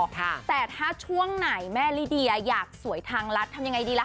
แต่ถ้าช่วงไหนแม่ลิเดียอยากสวยทางรัฐทำยังไงดีล่ะค